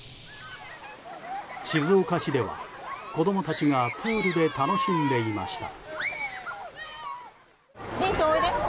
静岡市では、子供たちがプールで楽しんでいました。